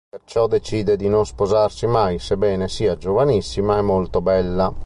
Perciò decide di non sposarsi mai, sebbene sia giovanissima e molto bella.